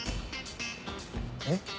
えっ？